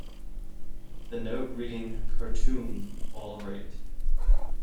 The note read Khartoum all right.